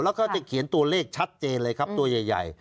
แล้วก็จะเขียนตัวเลขชัดเจนเลยครับตัวใหญ่